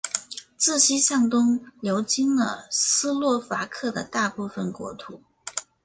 自西向东流经了斯洛伐克的大部分国土。